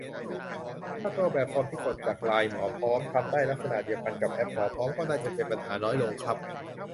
ถ้าตัวแบบฟอร์มที่กดจากไลน์หมอพร้อม ทำได้ลักษณะเดียวกันกับแอปหมอพร้อม ก็น่าจะเป็นปัญหาน้อยลงครับ